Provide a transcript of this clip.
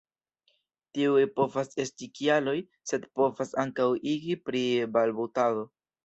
Tiuj povas esti kialoj, sed povas ankaŭ igi pri balbutado.